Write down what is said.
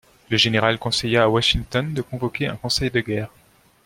Le général conseilla à Washington de convoquer un conseil de guerre.